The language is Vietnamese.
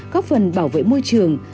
có phần bảo vệ môi trường